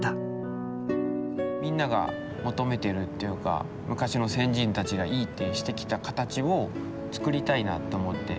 みんなが求めてるっていうか昔の先人たちがいいってしてきた形をつくりたいなと思って。